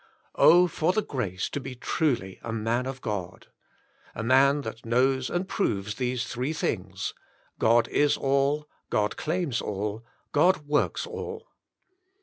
Oh ! for grace to be truly a man of God ! A man that knows and proves these three things; God is all ; God claims all ; God works all.